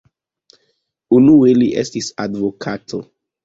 Unue li estis advokato.